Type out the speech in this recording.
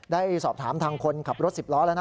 ได้สอบถามทางคนขับรถ๑๐ล้อแล้วนะ